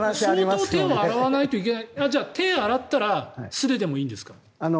相当手を洗わないといけない手を洗ったら素手でもいいんですか？